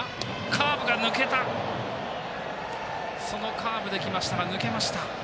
カーブできましたが抜けました。